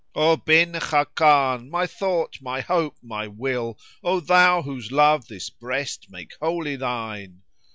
O Bin Khákán! my sought, my hope, my will, * O thou whose love this breast made wholly thine!